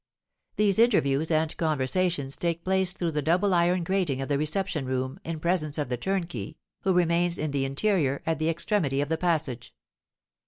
These interviews and conversations take place through the double iron grating of the reception room, in presence of the turnkey, who remains in the interior, at the extremity of the passage.